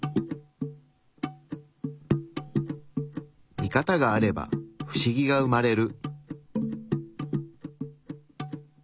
ミカタがあればフシギが生まれる。